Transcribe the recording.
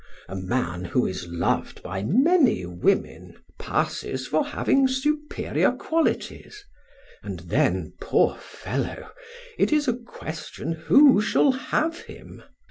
A man who is loved by many women passes for having superior qualities, and then, poor fellow, it is a question who shall have him!